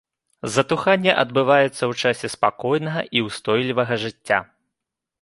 Затуханне адбываецца ў часе спакойнага і ўстойлівага жыцця.